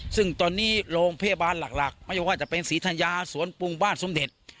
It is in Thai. ซึ่งตอนนี้โรงพยาบาลหลักไม่ว่าจะเป็นศรีธัญญาสวนปรุงบ้านสมเด็จ